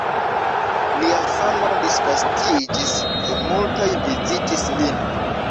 Lia famo disvastiĝis kaj multaj vizitis lin.